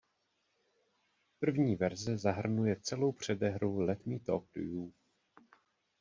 První verze zahrnuje celou předehru Let Me Talk to You.